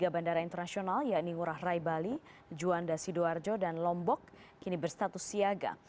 tiga bandara internasional yakni ngurah rai bali juanda sidoarjo dan lombok kini berstatus siaga